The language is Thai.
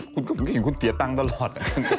คุณเห็นคุณเสียตังค์ตลอด